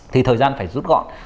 thì thời gian phải rút gọn